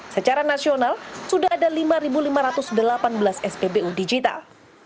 secara nasional sudah ada lima lima ratus delapan belas spbu digital